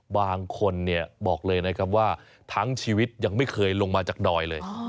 บางคนบอกเลยนะครับว่าทั้งชีวิตยังไม่เคยลงมาจากดอยเลย